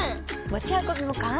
持ち運びも簡単！